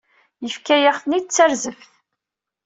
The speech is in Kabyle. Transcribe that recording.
Yefka-yaɣ-ten-id d tarzeft.